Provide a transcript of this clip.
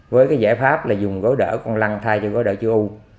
với cái giải pháp là dùng gối đỡ con lăn thay cho gối đỡ chữ u